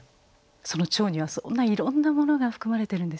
その蝶にはそんないろんなものが含まれているんですね。